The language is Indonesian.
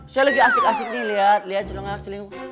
saya lagi asik asik nih lihat lihat celung celung